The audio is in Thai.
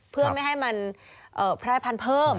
เพื่อไม่ให้มันแพร่พันธุ์เพิ่ม